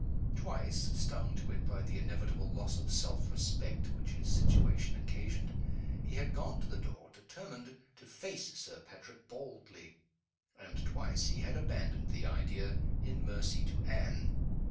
Twice stung to it by the inevitable loss of self respect which his situation occasioned he had gone to the door, determined to face Sir Patrick boldly; and twice he had abandoned the idea, in mercy to Anne.